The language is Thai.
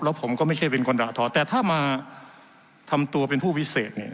แล้วผมก็ไม่ใช่เป็นคนด่าทอแต่ถ้ามาทำตัวเป็นผู้วิเศษเนี่ย